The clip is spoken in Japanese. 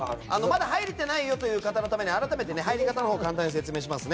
まだ入れてないよという方のため改めて入り方を簡単に説明します。